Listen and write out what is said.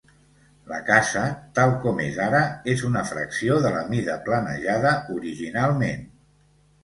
La casa tal com és ara és una fracció de la mida planejada originalment.